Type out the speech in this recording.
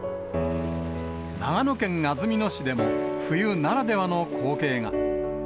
長野県安曇野市でも、冬ならではの光景が。